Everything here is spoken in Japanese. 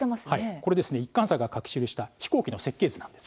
これですね一貫斎が描き記した飛行機の設計図なんです。